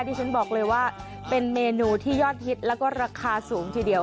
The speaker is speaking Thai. ที่ฉันบอกเลยว่าเป็นเมนูที่ยอดฮิตแล้วก็ราคาสูงทีเดียว